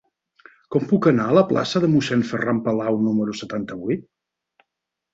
Com puc anar a la plaça de Mossèn Ferran Palau número setanta-vuit?